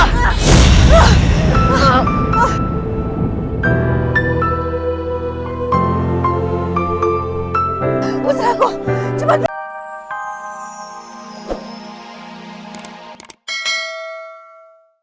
bukan aku coba dia